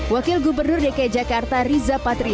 wakil gubernur dki jakarta riza patria